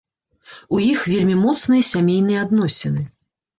У іх вельмі моцныя сямейныя адносіны.